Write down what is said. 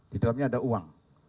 di dalamnya ada uang